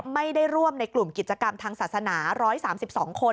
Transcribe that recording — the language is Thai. ไม่ได้ร่วมในกลุ่มกิจกรรมทางศาสนา๑๓๒คน